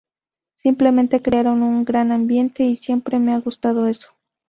Simplemente, crearon un gran ambiente, y siempre me ha gustado eso.